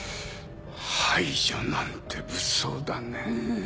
排除なんて物騒だねぇ。